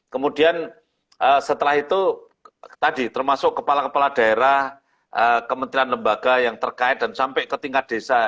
kemudian setelah itu tadi termasuk kepala kepala daerah kementerian lembaga yang terkait dan sampai ke tingkat desa